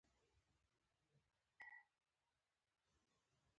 د بدن د مینځلو لپاره د سدر او اوبو ګډول وکاروئ